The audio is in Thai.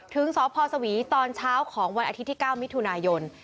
ถึงสพสวีตอนเช้าของวันอาทิตย์ที่๙มิถุนายน